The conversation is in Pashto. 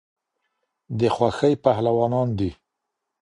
د خوښۍ پهلوانان دي